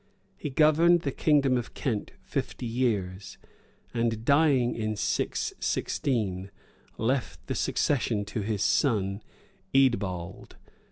He governed the kingdom of Kent fifty years; and dying in 616, left the succession to his son, Eadbald.